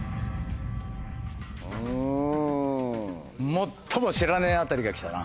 最も知らねえあたりがきたな。